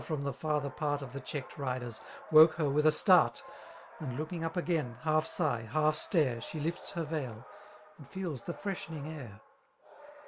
from the farther part Of the checked riders^ wcke her with a start 5 And looking up again^ half sigh, half stare> She lifts her veil, and feels the freshening air.